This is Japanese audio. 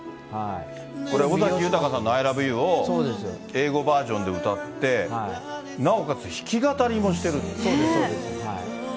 これ尾崎豊さんのアイラブユーを英語バージョンで歌って、なそうです、そうです。